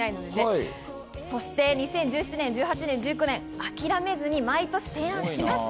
そして２０１７年から２０１９年、諦めずに毎年提案しました。